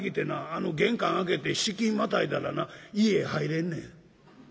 玄関開けて敷居またいだらな家へ入れんねん」。